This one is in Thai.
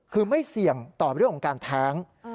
คือไม่เสี่ยงต่อเรื่องของการแท้ง